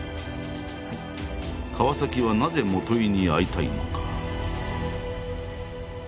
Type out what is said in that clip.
川はなぜ元井に会いたいのか。